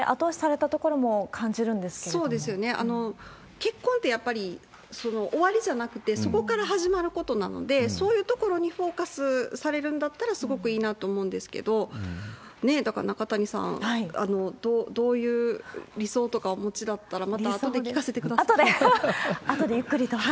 結婚ってやっぱり終わりじゃなくて、そこから始まることなので、そういうところにフォーカスされるんだったらすごくいいなと思うんですけど、だから、中谷さん、どういう理想とかお持ちだったら、あとで、あとでゆっくりと。